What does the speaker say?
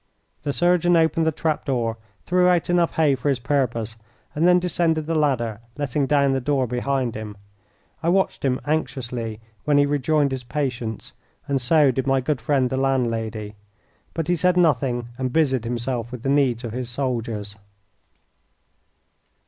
The surgeon opened the trap door, threw out enough hay for his purpose, and then descended the ladder, letting down the door behind him. I watched him anxiously when he rejoined his patients, and so did my good friend the landlady, but he said nothing and busied himself with the needs of his soldiers.